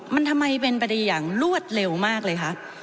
มันทำไมเป็นไปได้อย่างรวดเร็วมากเลยคะ